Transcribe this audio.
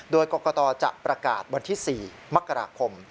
โดยกรกตจะประกาศวันที่๔มกราคม